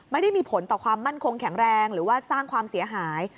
ไม่ได้มีผลต่อความมั่นคงแข็งแรงหรือว่าสร้างความเสียหาย